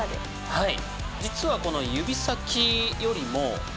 はい。